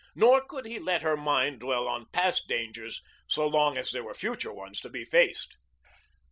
Nor could he let her mind dwell on past dangers so long as there were future ones to be faced.